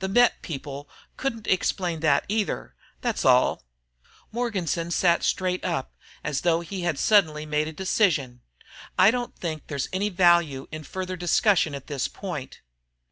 The Met. people couldn't explain that, either. That's all." Morganson sat up straight, as though he had suddenly made a decision. "I don't think there's any value in further discussion at this point.